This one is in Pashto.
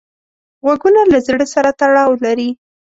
غوږونه له زړه سره تړاو لري